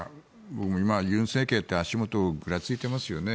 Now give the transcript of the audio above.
今、尹政権って足元がぐらついていますよね。